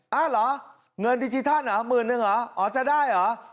เหรอเงินดิจิทัลเหรอหมื่นนึงเหรออ๋อจะได้เหรอ